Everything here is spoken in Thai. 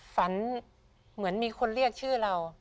ฝันเหมือนมีคนเรียกชื่อเรา